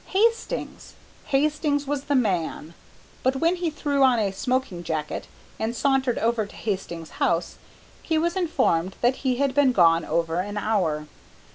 Hastings! Hastings was the man! But when he threw on a smoking jacket and sauntered over to Hastings' house, he was informed that he had been gone over an hour.